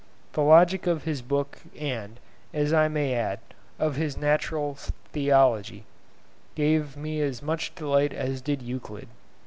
The logic of this book and, as I may add, of his 'Natural Theology,' gave me as much delight as did Euclid.